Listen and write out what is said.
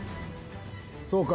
そうか。